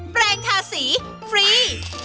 แปลงทาสีฟรี